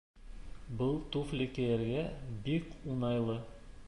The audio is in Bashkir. Был туфли кейергә бик уңайлы